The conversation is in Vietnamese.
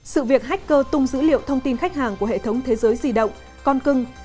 sự việc hách cơ tung dữ liệu thông tin khách hàng của hệ thống thế giới di động con cưng